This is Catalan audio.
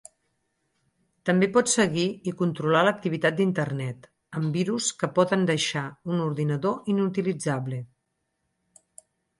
També pot seguir i controlar l'activitat d'internet, amb virus que poden deixar un ordinador inutilitzable.